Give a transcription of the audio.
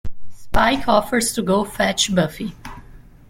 Spike offers to go fetch Buffy.